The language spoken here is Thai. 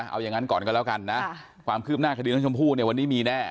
เอาอย่างนั้นก่อนก็แล้วกันนะความคืบหน้าคดีน้องชมพู่เนี่ยวันนี้มีแน่